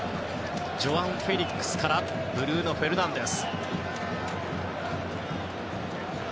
ジョアン・フェリックスからブルーノ・フェルナンデス。